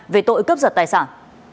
về tội cướp giật tài sản